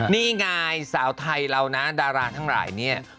นี่ไงสาวไทยเรานะดาราทั้งหลายเนี่ย